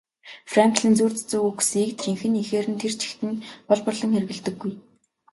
Франклин зүйр цэцэн үгсийг жинхэнэ эхээр нь тэр чигт нь хуулбарлан хэрэглэдэггүй.